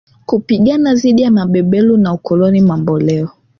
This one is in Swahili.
kupigana dhidi ya mabeberu na ukoloni mamboleo